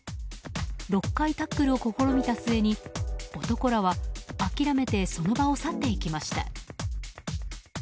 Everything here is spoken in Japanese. ６回、タックルを試みた末に男らは諦めてその場を去っていきました。